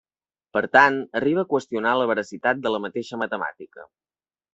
Per tant, arriba a qüestionar la veracitat de la mateixa matemàtica.